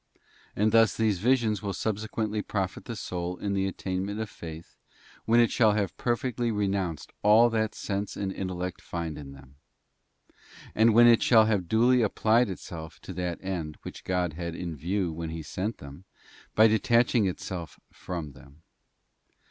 And thus these visions will subsequently profit the soul in the attainment of faith when it shall have perfectly renounced all that sense and intellect find in them; and when it shall have duly applied itself to that end which God had in view when He sent them, by detaching itself from them.